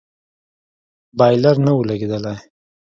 بايلر نه و لگېدلى.